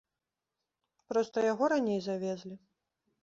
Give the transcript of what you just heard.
Проста яго раней завезлі.